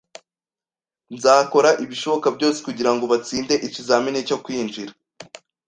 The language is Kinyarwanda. Nzakora ibishoboka byose kugirango batsinde ikizamini cyo kwinjira